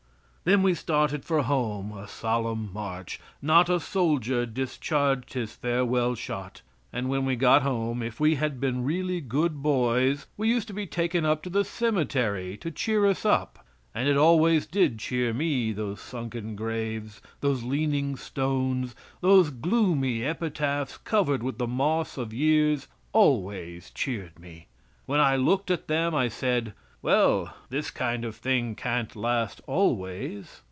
Then we started for home a solemn march "not a soldier discharged his farewell shot" and when we got home, if we had been really good boys, we used to be taken up to the cemetery to cheer us up, and it always did cheer me, those sunken graves, those leaning stones, those gloomy epitaphs covered with the moss of years always cheered me. When I looked at them I said: "Well, this kind of thing can't last always."